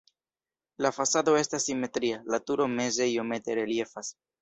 La fasado estas simetria, la turo meze iomete reliefas.